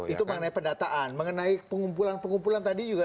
itu mengenai pendataan mengenai pengumpulan pengumpulan tadi juga